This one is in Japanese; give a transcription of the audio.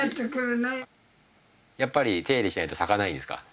やっぱり手入れしないと咲かないですか？